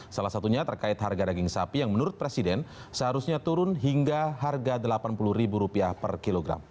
salah satunya terkait harga daging sapi yang menurut presiden seharusnya turun hingga harga rp delapan puluh per kilogram